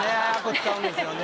使うんですよね。